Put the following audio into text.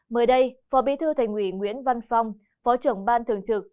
mới đây phó bí thư thành ủy nguyễn văn phong phó trưởng ban thường trực